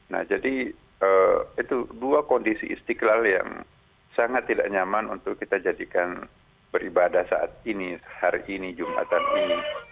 nah jadi itu dua kondisi istiqlal yang sangat tidak nyaman untuk kita jadikan beribadah saat ini hari ini jumatan ini